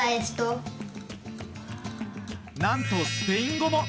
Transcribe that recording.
何と、スペイン語も。